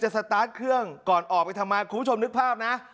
สตาร์ทเครื่องก่อนออกไปทำไมคุณผู้ชมนึกภาพนะ